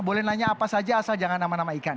boleh nanya apa saja asal jangan nama nama ikan